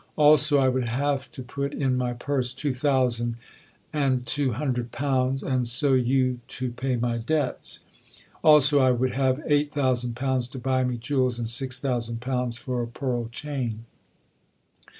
Also, I would have to put in my purse two thousand and two hundred pounds, and so you to pay my debts. Also, I would have eight thousand pounds to buy me jewels, and six thousand pounds for a pearl chain.